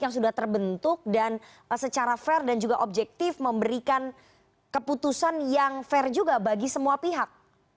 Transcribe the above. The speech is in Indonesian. yang sudah terbentuk dan secara fair dan juga objektif memberikan keputusan yang fair juga bagi semua pihak